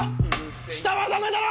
下はダメだろ！